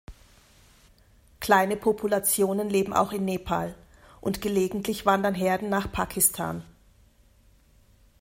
Kleine Populationen leben auch in Nepal, und gelegentlich wandern Herden nach Pakistan.